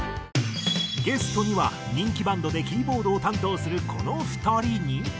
ゲストには人気バンドでキーボードを担当するこの２人に。